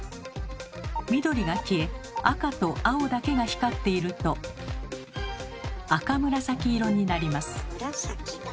緑が消え赤と青だけが光っていると赤紫色になります。